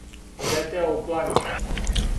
Одлетео у планину.